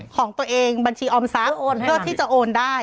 ของตัวเองบัญชีออมทรัพย์โอนเพื่อที่จะโอนได้